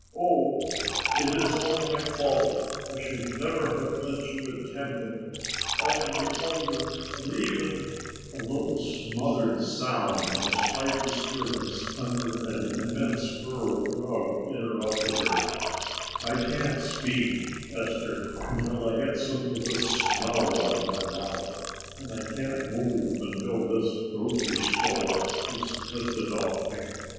Oh, it is all my fault. I should never have let you attempt it; I am the older and even " A little smothered sound and a slight disturbance under an immense fur rug interrupted her: "I can't speak, Esther, until I get some of this snow out of my mouth and I can't move until this grocery store is lifted off me.